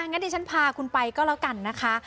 งั้นดิฉันพาคุณไปก็แล้วกันนะคะ